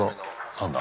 何だ？